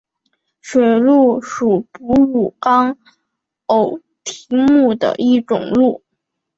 水鹿属哺乳纲偶蹄目的一种鹿。